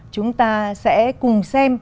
chúng ta sẽ cùng xem